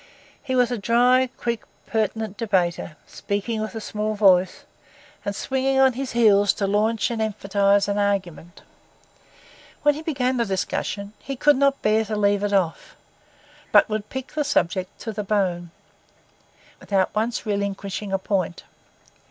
He was a dry, quick, pertinent debater, speaking with a small voice, and swinging on his heels to launch and emphasise an argument. When he began a discussion, he could not bear to leave it off, but would pick the subject to the bone, without once relinquishing a point.